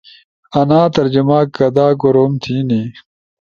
آنا ترجمہ کدا کورعم تھینی؟